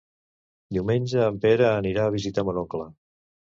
Diumenge en Pere anirà a visitar mon oncle.